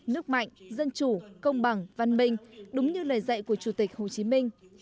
nước mạnh dân chủ công bằng văn minh đúng như lời dạy của chủ tịch hồ chí minh